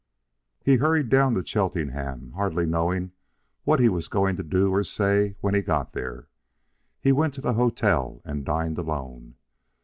Harry hurried down to Cheltenham, hardly knowing what he was going to do or say when he got there. He went to the hotel and dined alone.